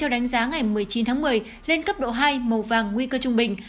đánh giá ngày một mươi chín tháng một mươi lên cấp độ hai màu vàng nguy cơ trung bình